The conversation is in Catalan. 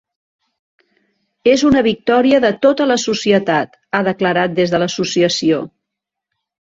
És una victòria de tota la societat, ha declarat des de l’associació.